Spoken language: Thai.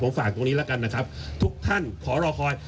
ฝากตรงนี้แล้วกันนะครับทุกท่านขอรอคอย